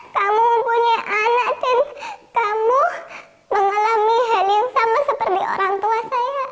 kamu mempunyai anak dan kamu mengalami hal yang sama seperti orang tua saya